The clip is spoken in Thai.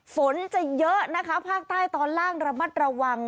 ฝนจะเยอะนะคะภาคใต้ตอนล่างระมัดระวัง